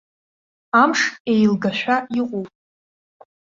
Амш еилгашәа иҟоуп.